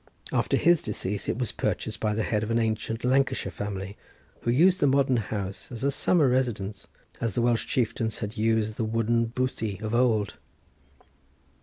After his decease it was purchased by the head of an ancient Lancashire family, who used the modern house as a summer residence, as the Welsh chieftains had used the wooden boothie of old.